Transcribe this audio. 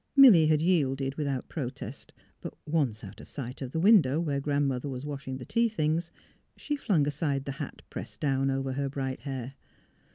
Milly had yielded, without protest; but once out of sight of the window where Grand mother was washing the tea things she flung aside the hat pressed down over her bright hair.